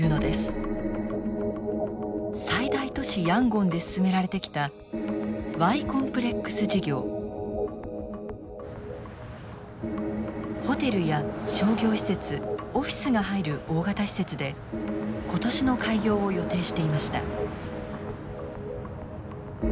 最大都市ヤンゴンで進められてきたホテルや商業施設オフィスが入る大型施設で今年の開業を予定していました。